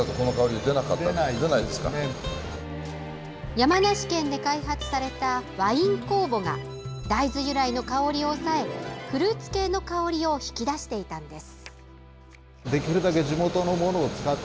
山梨県で開発されたワイン酵母が大豆由来の香りを抑えフルーツ系の香りを引き出していたんです。